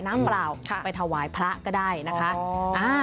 เปล่าไปถวายพระก็ได้นะคะ